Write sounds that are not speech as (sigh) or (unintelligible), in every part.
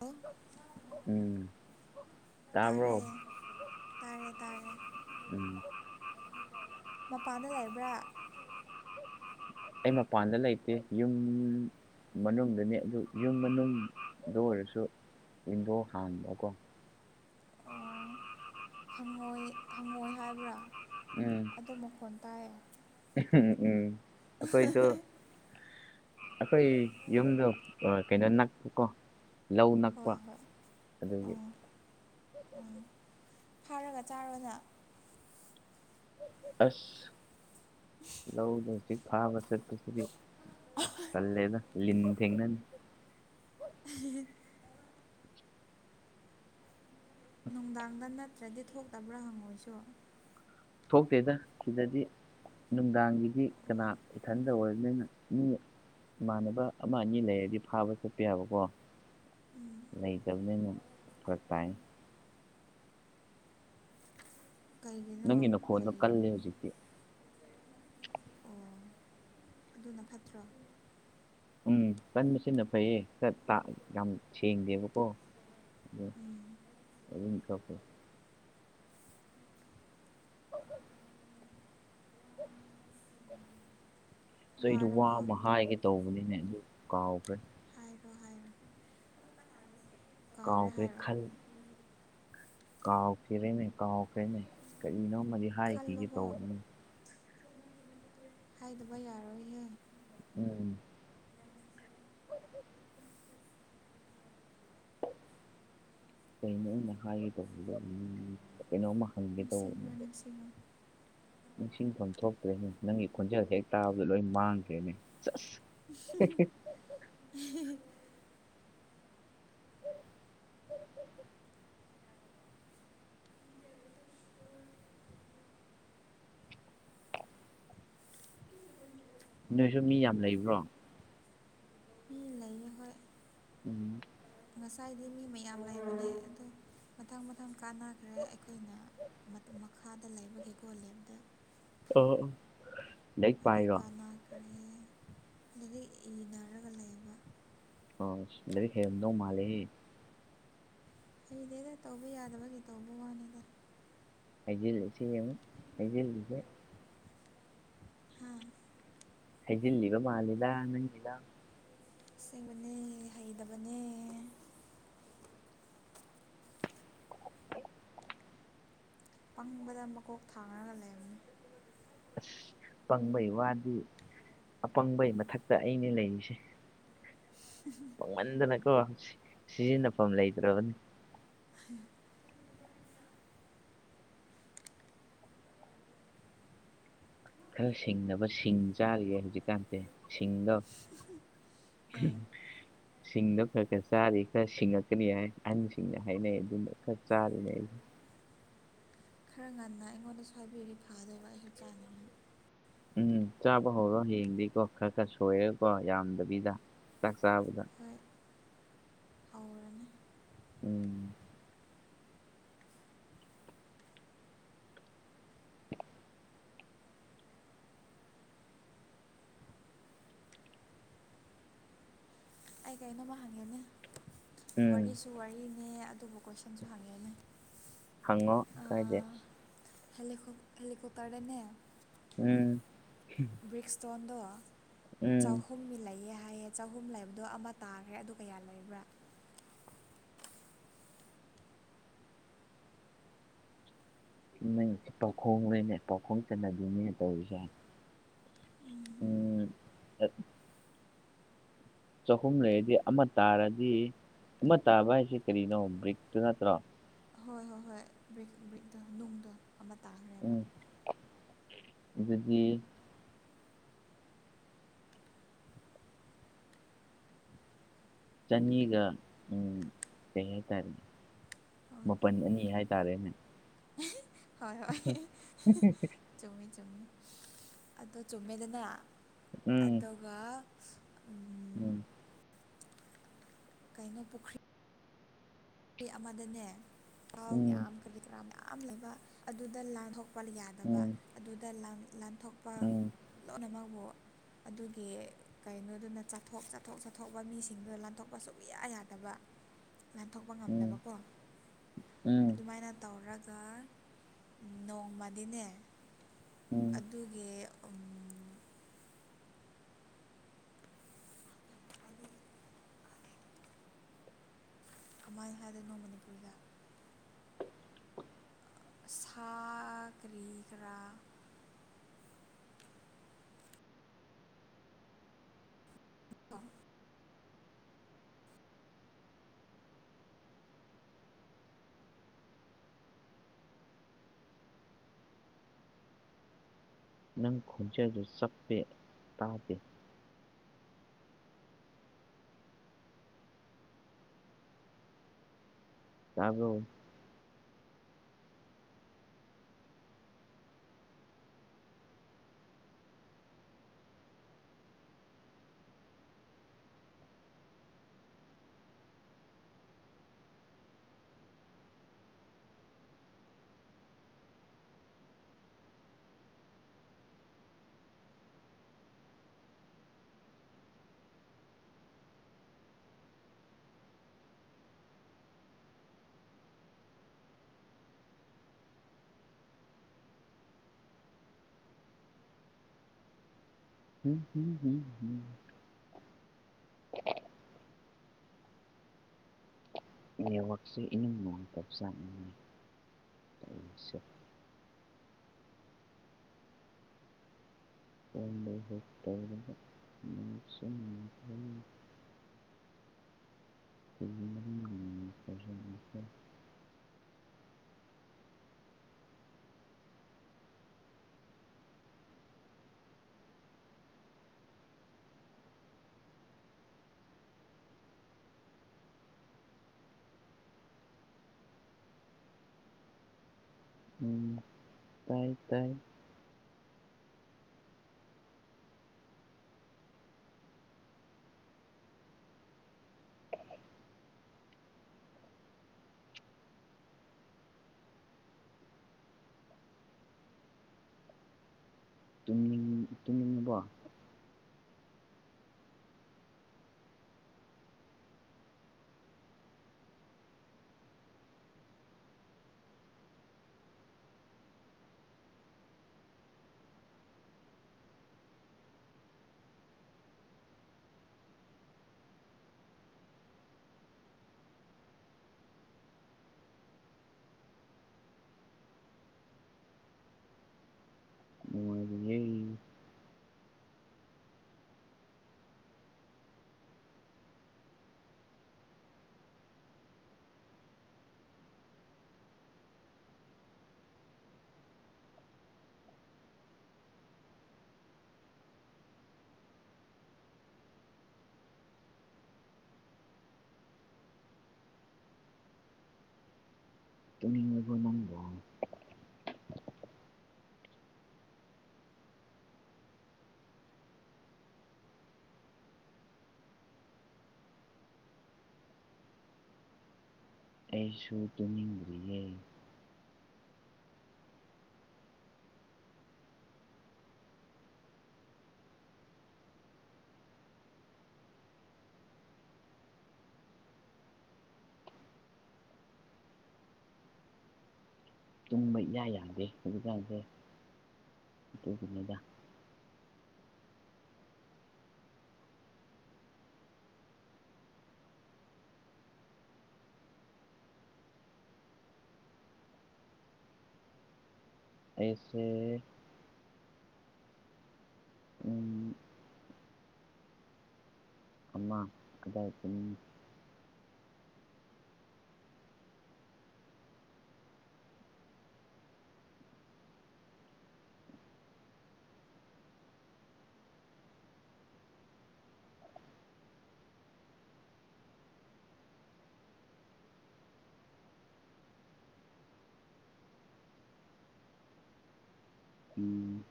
ꯑꯣ ꯎꯝ ꯇꯥꯔꯦ ꯇꯥꯕ꯭ꯔꯣ ꯇꯥꯔꯦ ꯇꯥꯔꯦ ꯎꯝ ꯃꯄꯥꯟꯗ ꯂꯩꯕ꯭ꯔꯥ ꯑꯩ ꯃꯄꯥꯟꯗ ꯂꯩꯇꯦ ꯌꯨꯝ ꯃꯅꯨꯡꯗꯅꯤ ꯑꯗꯨ ꯌꯨꯝ ꯃꯅꯨꯡꯗ ꯑꯣꯏꯔꯁꯨ ꯋꯥꯟꯗꯣ ꯍꯥꯡꯕꯀꯣ ꯑꯣ ꯍꯪꯉꯣꯏ ꯍꯪꯉꯣꯏ ꯍꯥꯏꯕ꯭ꯔꯥ ꯎꯝ ꯑꯗꯨ ꯃꯈꯣꯟ ꯇꯥꯏꯌꯦ ꯎꯝ ꯎꯝ ꯑꯈꯣꯏꯗꯣ ꯑꯩꯈꯣꯏ ꯌꯨꯝꯗꯣ ꯑ ꯀꯩꯅꯣ ꯅꯛꯄ ꯀꯣ ꯂꯧ ꯅꯛꯄ ꯍꯣꯏ ꯍꯣꯏ ꯑꯗꯨꯒꯤ ꯎꯝ ꯎꯝ ꯐꯥꯔꯒ ꯆꯥꯔꯣꯅ ꯑꯁ ꯂꯧꯗ ꯍꯩ ꯐꯥꯕ ꯆꯠꯄꯁꯤꯗꯤ ꯇꯜꯂꯦꯗ ꯂꯤꯟ ꯊꯦꯡꯅꯅꯤ ꯎ ꯅꯨꯡꯗꯥꯡꯗ ꯅꯠꯇ꯭ꯔꯗꯤ ꯊꯣꯛꯇꯕ꯭ꯔꯥ ꯍꯪꯉꯣꯏꯁꯨ ꯊꯣꯛꯇꯦꯗ ꯁꯤꯗꯗꯤ ꯅꯨꯡꯗꯥꯡꯒꯤꯗꯤ ꯑꯣ ꯀꯅꯥ ꯏꯊꯟꯗ ꯑꯣꯏꯔꯕꯅꯤꯅ ꯃꯤ ꯏꯃꯥꯟꯅꯕ ꯑꯃ ꯑꯅꯤ ꯂꯩꯔꯗꯤ ꯐꯥꯕ ꯆꯠꯄ ꯌꯥꯕꯀꯣ ꯎꯝ ꯂꯩꯇꯕꯅꯤꯅ ꯐꯔꯛ ꯇꯥꯏ ꯀꯩꯒꯤꯅꯣ ꯅꯪꯒꯤ ꯅꯈꯣꯟꯗꯣ ꯂꯩ ꯀꯜꯂꯦ ꯍꯧꯖꯤꯛꯇꯤ ꯑꯣ ꯑꯗꯨꯅ ꯐꯠꯇ꯭ꯔꯣ ꯎꯝ ꯀꯟꯕ ꯁꯤꯅꯥ ꯐꯩꯌꯦ ꯈꯔꯥ ꯇꯥ ꯌꯥꯝ ꯁꯦꯡꯗꯦꯕꯀꯣ ꯎꯝ ꯍꯧꯅꯤꯛꯅ ꯈꯥꯄꯩ ꯆꯩꯗꯨ ꯋꯥꯔꯕꯣ ꯋꯥ ꯑꯃ ꯍꯥꯏꯒꯦ ꯇꯧꯕꯅꯤꯅꯦ ꯑꯗꯨ ꯀꯥꯎꯈ꯭ꯔꯦ ꯍꯥꯏꯔꯣ ꯍꯥꯏꯔꯣ ꯀꯥꯎꯔꯦ ꯀꯥꯎꯈ꯭ꯔꯦ ꯍꯥꯏꯔꯣ ꯈꯟ ꯀꯥꯎꯈꯦꯔꯦꯅꯦ ꯀꯥꯎꯈ꯭ꯔꯦꯅꯦ ꯀꯔꯤꯅꯣꯝꯃꯗꯤ ꯍꯥꯏꯈꯤꯒꯦ ꯈꯜꯂꯣꯀꯣ ꯇꯧꯕꯅꯤ ꯍꯥꯏꯗꯕ ꯌꯥꯔꯣꯏꯍꯦ ꯎꯝ ꯅꯣꯡ ꯆꯨꯔꯦꯅꯦ ꯀꯩꯅꯩ ꯑꯩꯅ ꯍꯥꯏꯒꯦ ꯗꯧꯕꯗꯨ ꯀꯩꯅꯣꯝꯃ ꯍꯪꯒꯦ ꯅꯤꯡꯁꯤꯡꯉꯣ ꯇꯧꯕꯅꯦꯕ ꯅꯤꯡꯁꯤꯡꯉꯣ ꯅꯤꯡꯁꯤꯡꯐꯝ ꯊꯣꯛꯇ꯭ꯔꯦꯅꯦ ꯅꯪꯒꯤ ꯈꯣꯟꯖꯦꯜ ꯍꯦꯛ ꯇꯥꯕꯗ ꯂꯣꯏ ꯃꯥꯡꯈ꯭ꯔꯦꯅꯦ ꯁꯁ (inaudible) ꯅꯣꯏꯁꯨ ꯃꯤ ꯌꯥꯝ ꯂꯩꯕ꯭ꯔꯣ ꯃꯤ ꯂꯩꯌꯦ ꯍꯣꯏ ꯎꯝ ꯉꯁꯥꯏꯗꯤ ꯃꯤ ꯃꯌꯥꯝ ꯂꯩꯕꯅꯦ ꯑꯗꯣ ꯃꯊꯪ ꯃꯊꯪ ꯀꯥꯟꯅꯈ꯭ꯔꯦ ꯑꯩꯈꯣꯏꯅ ꯃꯇꯨ ꯃꯈꯥꯗ ꯂꯩꯕꯒꯤ ꯀꯣꯂꯦꯕꯗ ꯑꯣ ꯑꯣ ꯂꯥꯏꯔꯤꯛ ꯑꯗꯨ ꯄꯥꯏꯔꯣ ꯀꯅꯥꯟ ꯀ꯭ꯔꯦ ꯂꯥꯔꯤꯛ ꯏꯅꯔꯒ ꯂꯩꯕ ꯑꯣꯁ ꯂꯥꯔꯤꯛ ꯍꯩꯔꯝꯗꯧ ꯃꯥꯜꯂꯤꯍꯦ ꯍꯩꯗꯦꯗ ꯇꯧꯕ ꯌꯥꯗꯕꯒꯤ ꯇꯧꯕ ꯋꯥꯅꯤꯗ ꯍꯥꯏꯖꯤꯜꯂꯤꯁꯦ ꯌꯦꯡꯉꯨ ꯍꯥꯏꯖꯤꯜꯂꯤꯁꯦ ꯍꯥꯥ ꯍꯩꯖꯤꯜꯂꯤꯕ ꯃꯥꯂꯤꯗ ꯅꯪꯒꯤꯗꯣ ꯏꯁꯦꯡꯕꯅꯦ ꯍꯩꯗꯕꯅꯦ ꯄꯪꯕꯗ ꯃꯀꯣꯛ ꯊꯥꯡꯔꯒ ꯂꯩꯕꯅꯤ ꯑꯁ ꯄꯪꯕꯩ ꯋꯥꯗꯤ ꯑꯄꯪꯕꯩ ꯃꯊꯛꯇ ꯑꯩꯅꯦ ꯂꯩꯔꯤꯁꯦ ꯎ ꯄꯣꯡꯃꯟꯗꯅꯀꯣ ꯁꯤ ꯁꯤꯖꯤꯟꯅꯐꯝ ꯂꯩꯇ꯭ꯔꯕꯅꯤ ꯈꯔ ꯁꯤꯡꯅꯕ ꯁꯤꯡ ꯆꯥꯔꯤꯌꯦ ꯍꯧꯖꯤꯛꯀꯥꯟꯁꯦ ꯁꯤꯡꯗꯣ ꯎꯝ ꯁꯤꯡꯗꯣ ꯈꯔ ꯈꯔ ꯆꯥꯔꯤ ꯈꯔ ꯁꯤꯡꯉꯛꯀꯅꯤ ꯍꯥꯏ ꯑꯍꯟꯁꯤꯡꯅ ꯍꯥꯏꯅꯩ ꯑꯗꯨꯝꯕ ꯈꯔ ꯆꯥꯔꯤꯅꯦ ꯑꯩ ꯈꯔ ꯉꯟꯅ ꯑꯩꯉꯣꯟꯗꯁꯨ ꯍꯥꯏꯕꯤꯔꯤ ꯐꯗꯧꯕ ꯑꯩꯁꯨ ꯆꯥꯅꯤꯡꯉꯥꯏ ꯎꯝ ꯆꯥꯕ ꯍꯧꯔꯣ ꯌꯦꯡꯗꯤꯀꯣ ꯈꯔ ꯈꯔ ꯁꯣꯏꯔꯦꯀꯣ ꯌꯥꯝꯗꯕꯤꯗ ꯆꯥꯛ ꯆꯥꯕꯗ ꯍꯣꯏ ꯍꯧꯔꯅꯤ ꯎꯝ ꯑꯩ ꯀꯩꯅꯣꯝꯃ ꯍꯪꯉꯦꯅꯦ ꯎꯝ ꯋꯥꯔꯤꯁꯨ ꯋꯥꯔꯤꯅꯦ ꯑꯗꯨꯕꯨ ꯀꯣꯏꯁꯟ ꯁꯟꯁꯨ ꯍꯥꯡꯒꯦꯅꯦ ꯍꯪꯉꯣ ꯀꯥꯏꯗꯦ ꯍꯦꯜꯂꯤꯀꯣꯛ ꯍꯦꯜꯂꯤꯀꫭꯛꯇꯔꯗꯅꯦ ꯎꯝ ꯕ꯭ꯔꯤꯛ ꯁ꯭ꯇꯣꯟꯗꫭ ꯎꯝ ꯆꯥꯍꯨꯝꯒꯤ ꯂꯩꯑꯦꯌꯦ ꯍꯥꯏꯌꯦ ꯆꯍꯨꯝ ꯂꯩꯕꯗꯣ ꯑꯃ ꯇꯥꯈ꯭ꯔꯦ ꯑꯗꯨ ꯀꯌꯥ ꯂꯩꯕ꯭ꯔꯥ ꯅꯪꯒꯤꯁꯦ ꯄꯥꯎꯈꯣꯡ ꯅꯤꯅꯦ ꯄꯥꯎꯈꯣꯡ ꯆꯟꯅꯕꯤꯅꯤꯅꯦ ꯇꯧꯔꯤꯁꯦ ꯎꯝ ꯆꯍꯨꯝ ꯂꯩꯔꯗꯤ ꯑꯃ ꯇꯥꯔꯗꯤ ꯑꯃ ꯇꯥꯕ ꯍꯥꯏꯁꯦ ꯀꯔꯤꯅꯣ ꯕ꯭ꯔꯤꯛꯇꯨ ꯅꯠꯇ꯭ꯔꯣ ꯍꯣꯏ ꯍꯣꯏ ꯍꯣꯏ ꯕ꯭ꯔꯤꯛ ꯕ꯭ꯔꯤꯛꯇꫭ ꯅꯨꯡꯗꫭ ꯑꯃ ꯇꯥꯈ꯭ꯔꯦꯕ ꯎꯝ ꯑꯗꯨꯗꯤ ꯆꯅꯤꯒ ꯎꯝ ꯀꯩ ꯍꯇꯥꯔꯦ ꯍꯣꯏ ꯃꯥꯄꯜ ꯍꯣꯏ ꯑꯅꯤ ꯍꯥꯏꯇꯥꯔꯦꯅꯦ ꯍꯣꯏ ꯍꯣꯏ ꯆꯨꯝꯃꯤ ꯆꯨꯝꯃꯤ ꯑꯗꯣ ꯆꯨꯝꯃꯦꯗꯅ ꯎꯝ ꯑꯗꯨꯒ ꯎꯝ ꯀꯩꯅꯣ ꯄꯨꯈ꯭ꯔꯤ ꯈꯤ ꯑꯃꯗꯅꯦ ꯊꯥꯎ ꯎꯝ ꯃꯌꯥꯝ ꯀꯔꯤ ꯀꯔꯥ ꯃꯌꯥꯝ ꯂꯩꯕ ꯑꯗꯨꯗ ꯂꯥꯟꯊꯣꯛ ꯄꯜ ꯌꯥꯗꯕ ꯎꯝ ꯑꯗꯨꯗ ꯂꯥꯟ ꯂꯥꯟꯊꯣꯛꯄ ꯎꯝ ꯂꯣꯏꯅꯃꯛꯕꯨ ꯑꯗꯨꯒꯤ ꯀꯩꯅꯣꯗꯨꯅ ꯆꯠꯊꯣꯛ ꯆꯠꯊꯣꯛ ꯆꯠꯊꯣꯛꯄ ꯃꯤꯁꯤꯡꯗꯨꯗ ꯂꯥꯟꯊꯣꯛꯄ ꯁꯨꯛꯌꯥ ꯌꯥꯗꯕ ꯊꯣꯛꯄ ꯎꯝ ꯉꯝꯗꯕꯀꯣ ꯎꯝ ꯑꯗꯨꯃꯥꯏꯅ ꯇꯧꯔꯒ ꯅꯣꯡꯃꯅꯤꯅꯦ ꯎꯝ ꯑꯗꯨꯒꯤ ꯎꯝ (inaudible) ꯀꯃꯥꯏꯅ ꯍꯥꯏꯗꯣꯏꯅꯣ ꯃꯅꯤꯄꯨꯔꯤꯗ ꯁꯥ ꯀꯔꯤ ꯀꯔ (inaudible) ꯅꯪ ꯈꯣꯟꯖꯦꯜꯗꯨ ꯆꯞꯄꯦ ꯇꯥꯗꯦ ꯇꯥꯕ꯭ꯔꫭ ꯎꯝ ꯍꯨꯝ ꯍꯝꯝ ꯅꯦꯠꯋꯥꯛꯁꯦ ꯏꯅꯨꯡ ꯅꯨꯡꯉꯥꯏꯄꯕꯖꯥꯠꯅꯤ ꯇꯧꯔꯤꯁꯦ (inaudible) (inaudible) ꯎꯝ ꯇꯥꯏ ꯇꯥꯏ ꯇꯨꯝꯅꯤꯡ ꯇꯨꯝ ꯇꯨꯝꯃꯕꯣ ꯅꯨꯉꯥꯏꯔꯤꯌꯦ ꯇꯨꯝꯅꯤꯡꯉꯕꫭ ꯅꯪꯕꫭ ꯑꯩꯁꯨ ꯇꯨꯝꯅꯤꯡꯗ꯭ꯔꯤꯌꯦ ꯇꯨꯝꯕ ꯏꯌꯥ ꯌꯥꯗꯦ ꯍꯧꯖꯤꯛꯀꯥꯟꯁꯦ ꯑꯗꯨꯒꯤꯅꯤꯗ ꯑꯩꯁꯦ ꯎꯝ ꯑꯃ ꯑꯗꯥꯏ ꯇꯨꯝꯅꯤ ꯎꯝ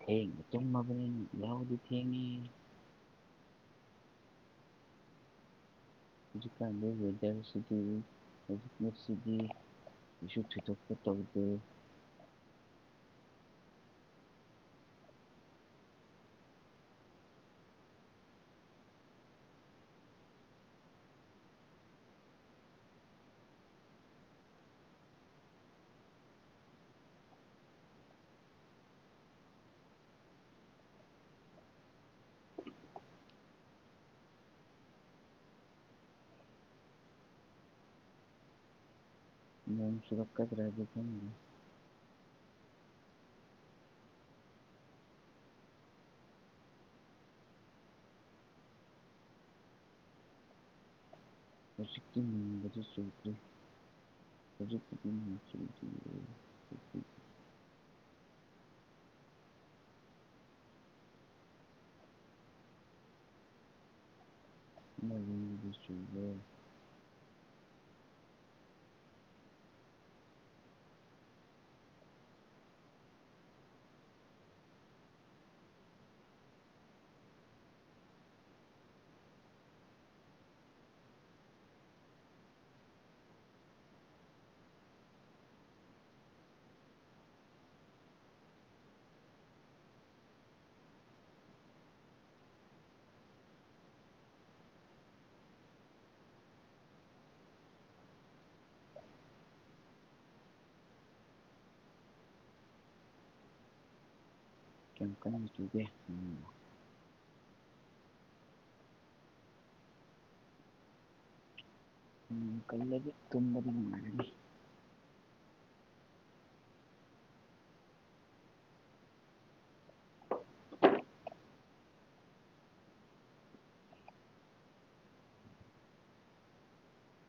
ꯊꯦꯡꯅ ꯇꯨꯝꯃꯕꯅꯤꯅ ꯌꯥꯍꯧꯗꯤ ꯊꯦꯡꯉꯦ ꯍꯧꯖꯤꯀꯥꯟꯗ ꯋꯦꯗꯔꯁꯤꯗꯤ ꯍꯧꯖꯤꯛꯁꯤ ꯀꯩꯁꯨ ꯊꯣꯏꯗꯣꯛꯄ ꯇꯧꯗꯦ ꯅꯣꯡ ꯆꯨꯔꯛꯀꯗꯔꯗꯤ ꯈꯪꯗꯦ ꯍꯧꯖꯤꯛꯇꯤ ꯆꯨꯨꯗꯔ꯭ꯤ ꯍꯧꯖꯤꯛ (unintelligible) ꯅꯣꯏꯔꯣꯝꯗꯤ ꯆꯨꯕꯔꯣ ꯀꯌꯥꯝ ꯀꯟꯅ ꯆꯨꯒꯦ ꯅꯣꯡ ꯅꯣꯡ ꯀꯜꯂꯒ ꯇꯨꯝꯕꯗꯤ ꯅꯨꯡꯉꯥꯏꯅꯤ